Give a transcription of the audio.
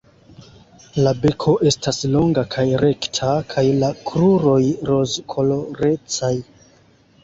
La beko estas longa kaj rekta kaj la kruroj rozkolorecaj.